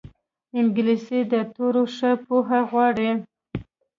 انګلیسي د توریو ښه پوهه غواړي